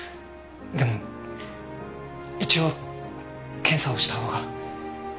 でも一応検査をした方が。